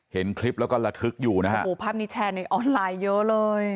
เห็นคลิปแล้วก็ระทึกอยู่นะฮะโอ้โหภาพนี้แชร์ในออนไลน์เยอะเลย